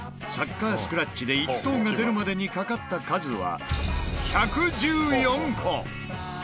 サッカースクラッチで１等が出るまでにかかった数は１１４個。